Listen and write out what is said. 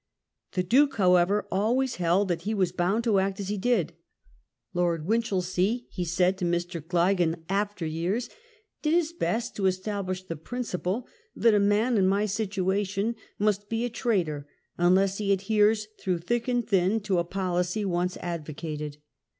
The Duke, however, always held that he was bound to act as he did. Lord Winchelsea, he said to Mr. Gleig in after years, "did his best to establish the principle that a man in my situation must be a traitor unless he adheres, through thick and thin to a policy once advocated.